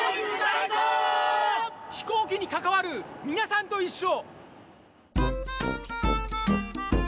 飛行機にかかわるみなさんといっしょ！